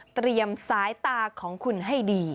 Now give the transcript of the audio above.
เตรียมสายตาของคุณให้ดี